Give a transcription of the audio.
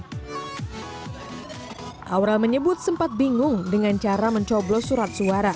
pengalaman pertama mengikuti pemilu juga dirasakan aurel anak musikus anak